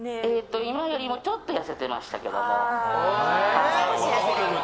今よりもちょっと痩せてましたけども。